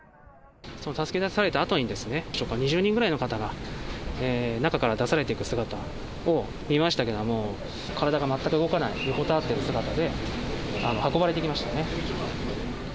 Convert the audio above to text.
助け出されたあとに、２０人ぐらいの方が中から出されていく姿を見ましたけれども、体が全く動かない横たわってる姿で運ばれていきましたね。